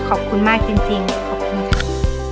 ขอบคุณมากจริงขอบคุณค่ะ